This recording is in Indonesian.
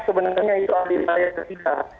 sebenarnya itu hari saya ketika